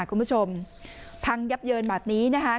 คุณผู้ชมพังยับเยินแบบนี้นะคะ